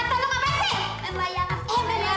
waduh ya yadon deploy banget ya